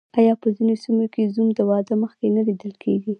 آیا په ځینو سیمو کې زوم د واده مخکې نه لیدل کیږي؟